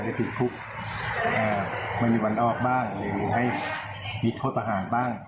ได้ติดพุกอ่าไม่มีวันออกบ้างหรือให้มีโทษอาหารบ้าง